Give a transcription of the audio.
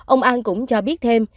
ông an cũng cho biết thêm